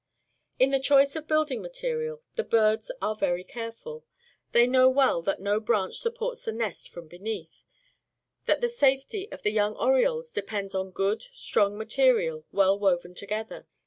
In the choice of building material the birds are very careful. They know well that no branch supports the nest from beneath; that the safety of the young orioles depends on good, strong material well woven together.